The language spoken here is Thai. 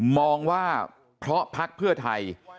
มองว่าเพราะพักเพื่อไทย